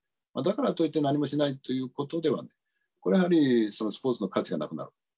だからといって何もしないということでは、これはやはりスポーツの価値がなくなる。